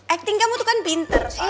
acting kamu tuh kan pinter